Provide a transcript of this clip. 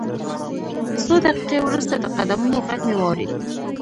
څو دقیقې وروسته د قدمونو غږ مې واورېد